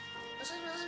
masuk masuk masuk